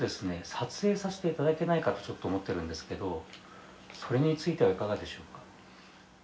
撮影させて頂けないかとちょっと思ってるんですけどそれについてはいかがでしょうか。